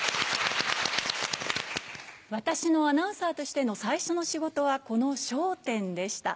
私のアナウンサーとしての最初の仕事はこの『笑点』でした。